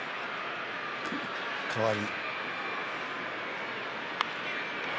「代わり」